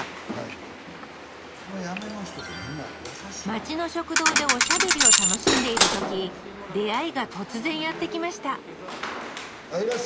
町の食堂でおしゃべりを楽しんでいる時出会いが突然やって来ました。